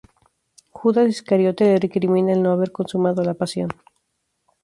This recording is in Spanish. Judas Iscariote le recrimina el no haber consumado la Pasión.